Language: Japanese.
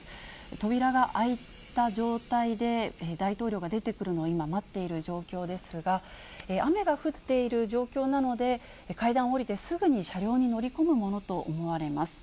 扉が開いた状態で、大統領が出てくるのを今、待っている状況ですが、雨が降っている状況なので、階段を下りてすぐに車両に乗り込むものと思われます。